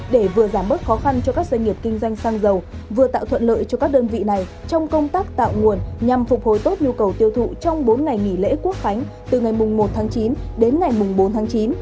để vừa giảm bớt khó khăn cho các doanh nghiệp kinh doanh xăng dầu vừa tạo thuận lợi cho các đơn vị này trong công tác tạo nguồn nhằm phục hồi tốt nhu cầu tiêu thụ trong bốn ngày nghỉ lễ quốc khánh từ ngày một tháng chín đến ngày bốn tháng chín